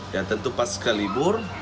ya tentu pas kelibur